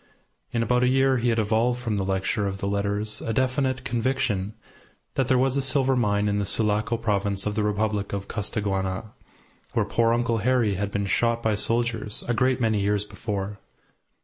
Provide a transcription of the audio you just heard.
In about a year he had evolved from the lecture of the letters a definite conviction that there was a silver mine in the Sulaco province of the Republic of Costaguana, where poor Uncle Harry had been shot by soldiers a great many years before.